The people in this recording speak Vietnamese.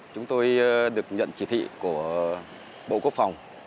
chúng tôi được nhận chỉ thị của bộ quốc phòng